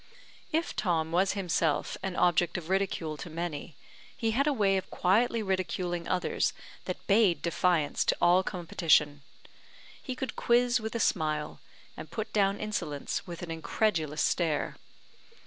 If Tom was himself an object of ridicule to many, he had a way of quietly ridiculing others that bade defiance to all competition. He could quiz with a smile, and put down insolence with an incredulous stare.